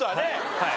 はい。